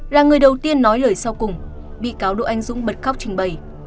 là người đầu tiên nói lời sau cùng bị cáo độ anh dũng bật khóc trình bày